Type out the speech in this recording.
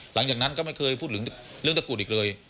หลังจากนั้นก็ไม่เคยพูดถึงเรื่องตะกรุดอีกเลย